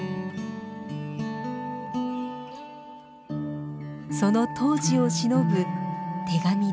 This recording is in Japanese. その当時をしのぶ手紙です。